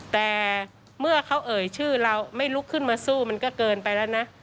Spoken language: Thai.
แต่เมื่อเขาเอ่ยชื่อเราไม่ลุกขึ้นมาสู้มันก็เกินไปแล้วนะ